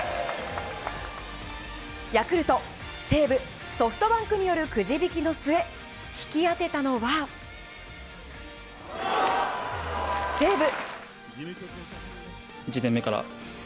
ヤクルト、西武ソフトバンクによるくじ引きの末引き当てたのは西武！